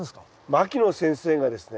牧野先生がですね